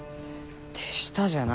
手下じゃない。